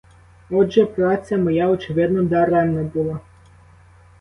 Отже, праця моя, очевидно, даремна була.